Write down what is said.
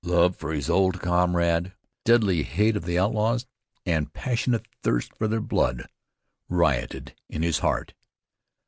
Love for his old comrade, deadly hatred of the outlaws, and passionate thirst for their blood, rioted in his heart.